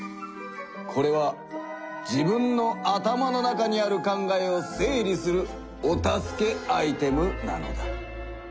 これは自分の頭の中にある考えを整理するお助けアイテムなのだ。